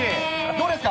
どうですか？